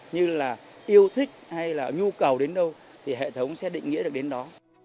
như là yêu thích hay là nhu cầu đến đâu thì hệ thống sẽ định nghĩa được đến đó